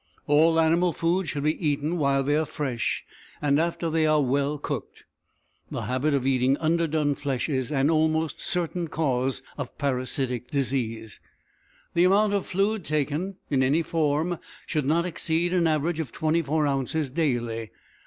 All animal foods should be eaten while they are fresh and after they are well cooked. The habit of eating underdone flesh is an almost certain cause of parasitic disease. The amount of fluid taken, in any form, should not exceed an average of twenty four ounces daily.